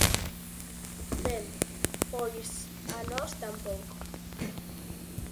Ben, pois a nós tampouco.